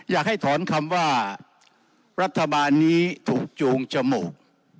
อยากให้ถอนคำว่ารัฐบาลนี้ถูกจูงจมูก